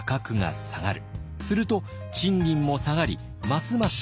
すると賃金も下がりますます